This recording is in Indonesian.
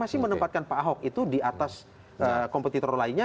masih menempatkan pak ahok itu di atas kompetitor lainnya